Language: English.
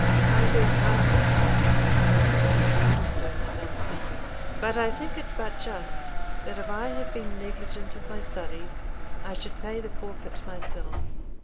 "I beg pardon, sir," when Mr. Osbaldistone had done speaking; "but I think it but just, that if I have been negligent of my studies, I should pay the forfeit myself.